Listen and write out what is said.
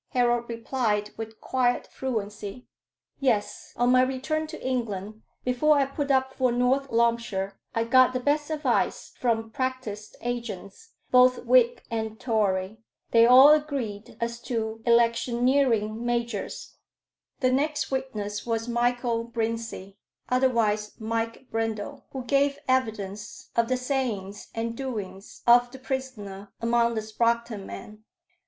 Harold replied, with quiet fluency "Yes; on my return to England, before I put up for North Loamshire, I got the best advice from practised agents, both Whig and Tory. They all agreed as to electioneering measures." The next witness was Michael Brincey, otherwise Mike Brindle, who gave evidence of the sayings and doings of the prisoner among the Sproxton men.